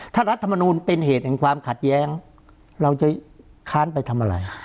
ถ้ารัฐมนูลเป็นเหตุแห่งความขัดแย้งเราจะค้านไปทำอะไร